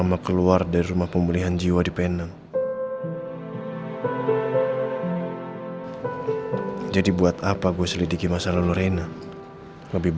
aku cium oma ya biar oma ga sedih